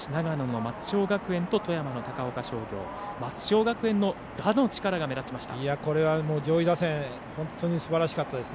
松商学園と富山の高岡高校松商学園の打の力が目立ちました。